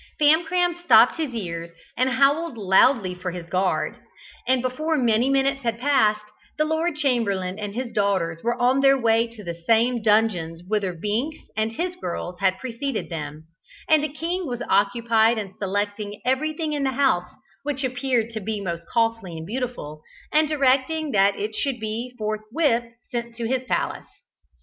Famcram stopped his ears, and howled loudly for his guard, and before many minutes had passed, the Lord Chamberlain and his daughters were on their way to the same dungeons whither Binks and his girls had preceded them, and the king was occupied in selecting everything in the house which appeared to be most costly and beautiful, and directing that it should be forthwith sent to his palace.